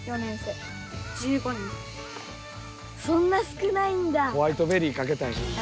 そんな少ないんだ。